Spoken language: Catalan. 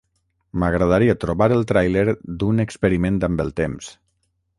M'agradaria trobar el tràiler d'Un experiment amb el temps